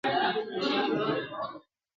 ملالۍ بیرغ اخیستی زولنې یې ماتي کړي ..